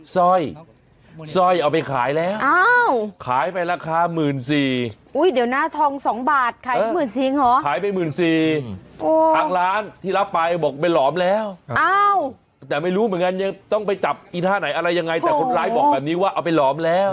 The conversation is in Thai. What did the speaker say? ซ่อยซ่อยเอาไปขายแล้ว